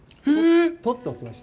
取っておきました。